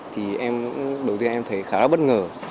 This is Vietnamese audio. thì đầu tiên em thấy khá là bất ngờ